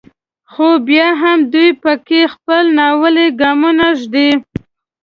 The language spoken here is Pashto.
خو بیا هم دوی په کې خپل ناولي ګامونه ږدي.